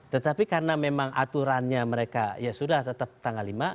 tetapi karena memang aturannya mereka ya sudah tetap tanggal lima